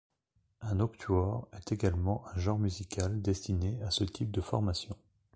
Un octuor est également un genre musical destiné à ce type de formation.